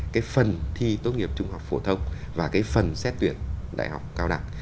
cái phần thi tốt nghiệp trung học phổ thông và cái phần xét tuyển đại học cao đẳng